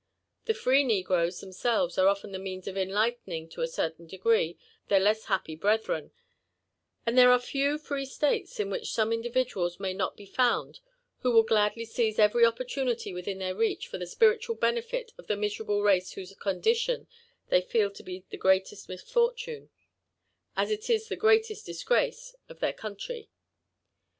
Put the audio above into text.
The free negroes themselves are often the means of enlightening to a certain degree their less happy brethren ; and there are few free States in which some individuals may not be found who will gladly seize every opportunity within their reach for the spiritual benefit of the miserable race whose eondition they feel td be the greatest misfortune, as it is the greatest disgrace, of their country.